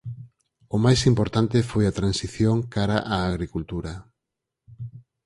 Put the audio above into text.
O máis importante foi a transición cara a agricultura.